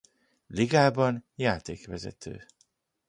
Ligában játékvezető.